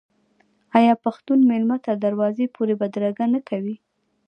آیا پښتون میلمه تر دروازې پورې بدرګه نه کوي؟